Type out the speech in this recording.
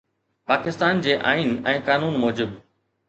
پاڪستان جي آئين ۽ قانون موجب